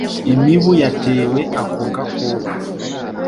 Imibu yatewe ako gakoko